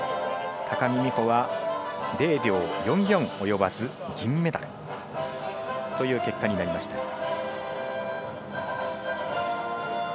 高木美帆は０秒４４及ばず銀メダルという結果になりました。